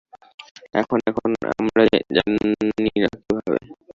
এখন, এখন, আমরা জানিনা কিভাবে।